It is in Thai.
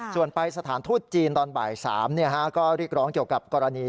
ส่วนไปสถานทูตจีนตอนบ่าย๓ก็เรียกร้องเกี่ยวกับกรณี